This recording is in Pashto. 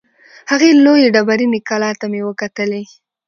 هغې لویې ډبریني کلا ته مې وکتلې.